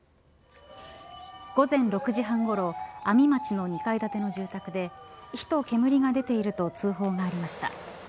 午前６時半頃阿見町の２階建ての住宅で火と煙が出ていると通報がありました。